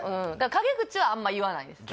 陰口はあんま言わないです